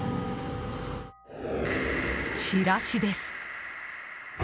チラシです。